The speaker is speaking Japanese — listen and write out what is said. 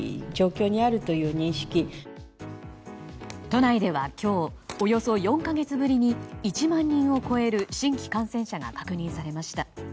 都内では今日およそ４か月ぶりに１万人を超える新規感染者が確認されました。